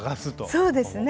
そうですね。